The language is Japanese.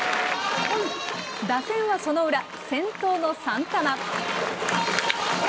打線はその裏、先頭のサンタナ。